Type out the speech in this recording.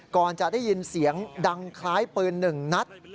ก่อนจะได้ยินเสียงดังคล้ายปืน๑นัด